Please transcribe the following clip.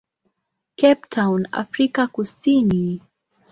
Cape Town, Afrika Kusini.